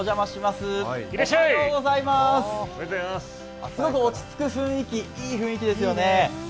すごく落ち着く雰囲気、いい雰囲気ですよね。